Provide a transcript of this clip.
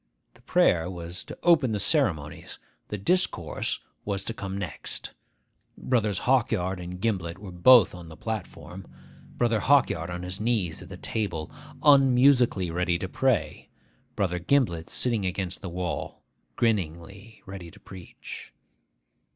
The prayer was to open the ceremonies; the discourse was to come next. Brothers Hawkyard and Gimblet were both on the platform; Brother Hawkyard on his knees at the table, unmusically ready to pray; Brother Gimblet sitting against the wall, grinningly ready to preach.